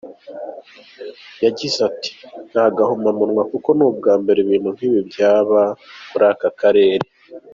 Yagize ati ‘Ni agahomamunwa kuko ni ubwa mbere ibintu nkibi byaba muri aka karere.